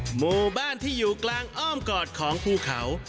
หมู่บ้านที่อยู่กลางอ้อมกอดของภูเขา